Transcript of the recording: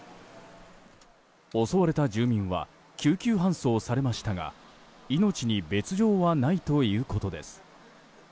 襲われた住民は救急搬送されましたが命に別条はないということです。